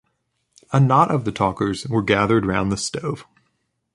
A knot of the talkers were gathered round the stove.